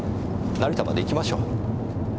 成田まで行きましょう。